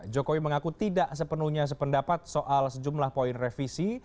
jokowi mengaku tidak sepenuhnya sependapat soal sejumlah poin revisi